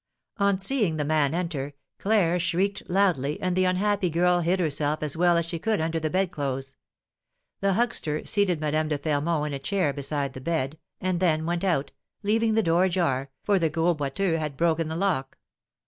On seeing the man enter, Claire shrieked loudly, and the unhappy girl hid herself as well as she could under the bedclothes. The huckster seated Madame de Fermont in a chair beside the bed, and then went out, leaving the door ajar, for the Gros Boiteux had broken the lock.